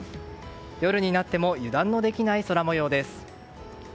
夜になっても油断のできない空模様です。